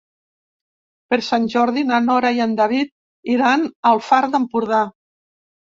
Per Sant Jordi na Nora i en David iran al Far d'Empordà.